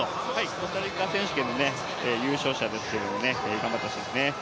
コスタリカ選手権の優勝者ですけど、頑張ってほしいですね。